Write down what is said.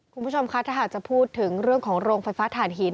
คุณผู้ชมคะถ้าหากจะพูดถึงเรื่องของโรงไฟฟ้าฐานหิน